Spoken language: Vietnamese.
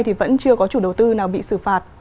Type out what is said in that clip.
thì vẫn chưa có chủ đầu tư nào bị xử phạt